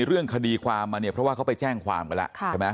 เรื่องคดีความมาเนี่ยเพราะว่าเขาไปแจ้งความกันแล้วใช่ไหม